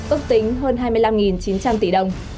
ước tính hơn hai mươi năm chín trăm linh tỷ đồng